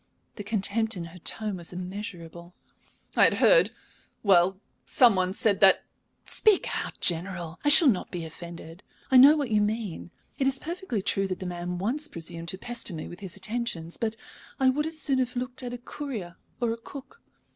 The contempt in her tone was immeasurable. "I had heard well, some one said that " "Speak out, General; I shall not be offended. I know what you mean. It is perfectly true that the man once presumed to pester me with his attentions. But I would as soon have looked at a courier or a cook.